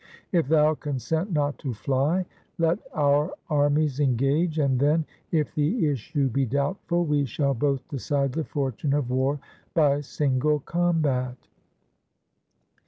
If thou consent not to fly, let our armies engage, and then, if the issue be doubtful, we shall both decide the fortune of war by single combat.'